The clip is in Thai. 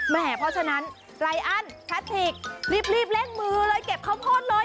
แม่เพราะฉะนั้นไลอันชาติกรีบเล็กมือเลยเก็บข้าวโพสต์เลย